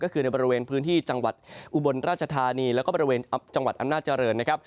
ก็คือในบริเวณพื้นที่จังหวัดอุบลราชธานีแล้วก็บริเวณจังหวัดอำนาจริงนะครับ